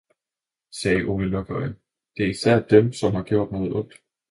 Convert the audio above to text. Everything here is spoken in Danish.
sagde Ole Lukøje, det er især dem, som har gjort noget ondt.